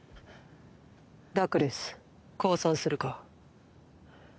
ラクレス降参するか？